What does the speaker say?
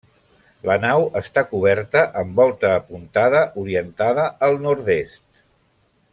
La nau està coberta amb volta apuntada, orientada al nord-est.